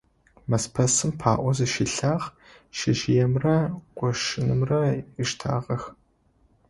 Мэзпэсым паӀор зыщилъагъ, шъэжъыемрэ къошынымрэ ыштагъэх.